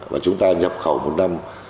và chúng ta nhập khẩu một năm